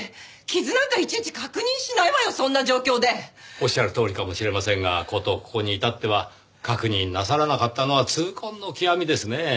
おっしゃるとおりかもしれませんが事ここに至っては確認なさらなかったのは痛恨の極みですねぇ。